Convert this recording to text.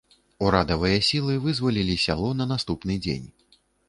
Урадавыя сілы вызвалілі сяло на наступны дзень.